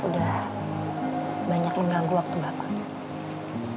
udah banyak mengganggu waktu bapak